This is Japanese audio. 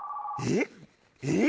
えっ？